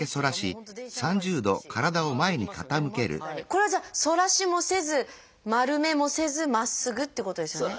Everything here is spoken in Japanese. これはじゃあ反らしもせず丸めもせずまっすぐっていうことですよね。